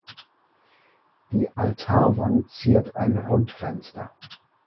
Die Altarwand ziert ein Rundfenster.